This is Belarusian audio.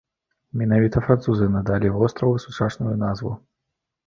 Менавіта французы надалі востраву сучасную назву.